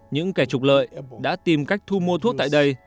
những kẻ trục lợi đã tìm cách thu mua thuốc tại đây